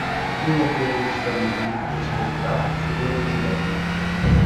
I primi acquirenti stranieri di queste unità furono i cileni.